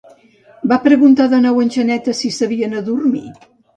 Va preguntar de nou en Xaneta si s'havien adormit?